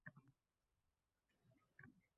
Ishq o’tida yonaylik.